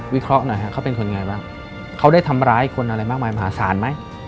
เคราะห์หน่อยฮะเขาเป็นคนไงบ้างเขาได้ทำร้ายคนอะไรมากมายมหาศาลไหม